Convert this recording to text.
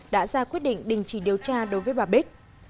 đã ra quyết định đình chỉ điều tra đối với bà bích